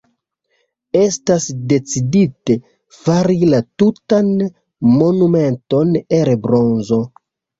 Estas decidite fari la tutan monumenton el bronzo.